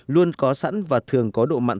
luôn có sẵn và thường có độ mặn